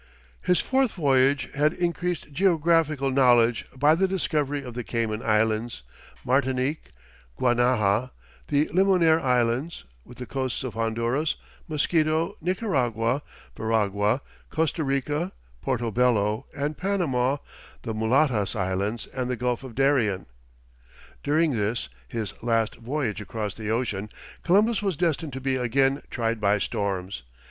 His fourth voyage had increased geographical knowledge by the discovery of the Cayman Islands, Martinique, Guanaja, the Limonare Islands, with the coasts of Honduras, Mosquito, Nicaragua, Veragua, Costa Rica, Porto Bello, and Panama, the Mulatas Islands, and the Gulf of Darien. During this, his last voyage across the ocean, Columbus was destined to be again tried by storms.